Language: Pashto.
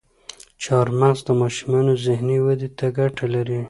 چارمغز د ماشومانو ذهني ودې ته ګټه لري.